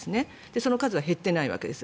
その数は減っていないわけです。